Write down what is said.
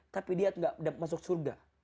tapi dia tidak masuk surga